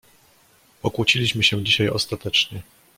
"Pokłóciliśmy się dzisiaj ostatecznie."